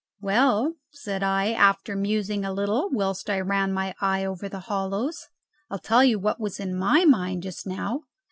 "Well," said I, after musing a little whilst I ran my eye over the hollows, "I'll tell you what was in my mind just now.